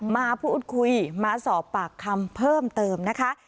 มาพูดคุยมาสอบปากคำเพิ่มเติมนะคะ